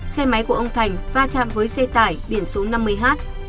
xe máy của ông thành va chạm với xe tải biển số năm mươi h ba mươi nghìn bảy trăm bảy mươi bảy